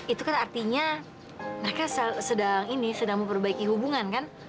itu kan artinya mereka sedang ini sedang memperbaiki hubungan kan